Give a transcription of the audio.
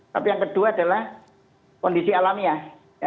tapi yang kedua adalah kondisi alamiah